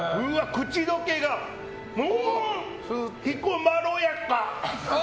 口溶けが、ひこまろやか！